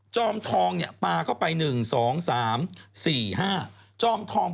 จอมทองเนี่ยปาก็ไป๑๒๓๔๕จอมทอง